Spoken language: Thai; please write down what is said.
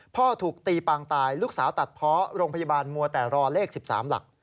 พ่อถูกตีปางตายลูกสาวตัดเพาะโรงพยาบาลมัวแต่รอเลข๑๓หลัก